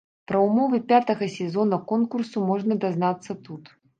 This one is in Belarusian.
Пра ўмовы пятага сезона конкурсу можна дазнацца тут.